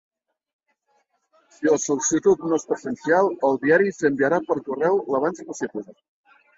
Si la sol·licitud no és presencial, el Diari s'enviarà per correu l'abans possible.